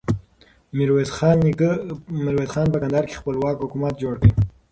ميرويس خان په کندهار کې خپلواک حکومت جوړ کړ.